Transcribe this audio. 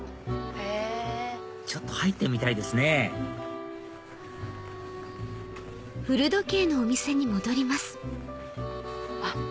ちょっと入ってみたいですねあっ